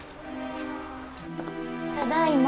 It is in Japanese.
ただいま。